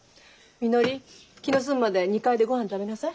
みのり気の済むまで２階でごはん食べなさい。